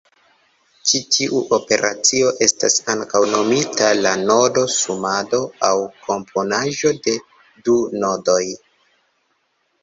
Ĉi tiu operacio estas ankaŭ nomita la nodo-sumado aŭ komponaĵo de du nodoj.